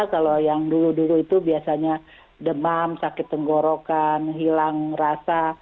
kalau yang dulu dulu itu biasanya demam sakit tenggorokan hilang rasa